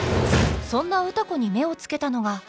そんな歌子に目をつけたのが。